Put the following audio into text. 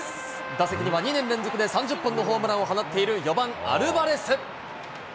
打席には２年連続で３０本のホームランを放っている４番アルバレス。